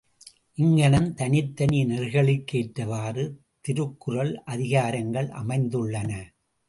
இங்ஙணம், தனித்தனி நெறிகளுக்கேற்றவாறு திருக்குறள் அதிகாரங்கள் அமைந்துள்ளன.